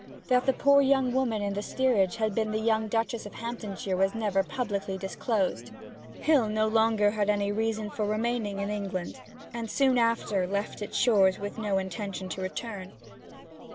That the poor young woman in the steerage had been the young Duchess of Hamptonshire was never publicly disclosed. Hill had no longer any reason for remaining in England, and soon after left its shores with no intention to return.